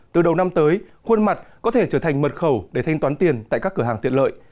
từ đầu năm tới khuôn mặt có thể trở thành mật khẩu để thanh toán tiền tại các cửa hàng tiện lợi